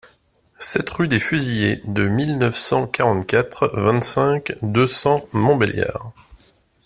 sept rue des Fusillés de mille neuf cent quarante-quatre, vingt-cinq, deux cents, Montbéliard